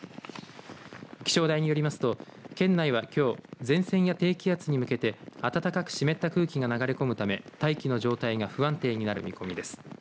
気象台によりますと県内はきょう前線や低気圧に向けて暖かく湿った空気が流れ込むため大気の状態が不安定になる見込みです。